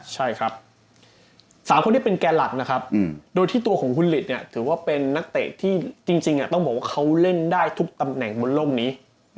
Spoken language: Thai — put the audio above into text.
ใช่ครับ๓คนที่เป็นแก่หลักนะครับโดยที่ตัวของคุณหลิดเนี่ยถือว่าเป็นนักเตะที่จริงต้องบอกว่าเขาเล่นได้ทุกตำแหน่งบนโลกนี้